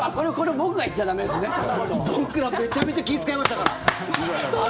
僕らめちゃめちゃ気を使いましたから。